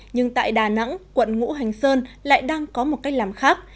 nhưng tại đà nẵng quận ngũ hành sơn lại đang có một cách làm khác